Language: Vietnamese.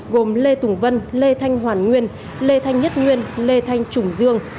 gồm lê tùng vân lê thanh hoàn nguyên lê thanh nhất nguyên lê thanh trùng dương